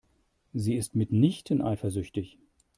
Sie ist mitnichten eifersüchtig.